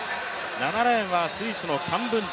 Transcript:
７レーンはスイスのカンブンジ